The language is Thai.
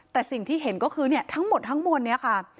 แต่สิ่งที่เห็นก็คือทั้งหมดทั้งมวลนี้ค่ะ